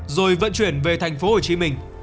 rồi vận chuyển về thành phố hồ chí minh